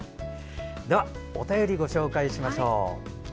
では、お便りご紹介しましょう。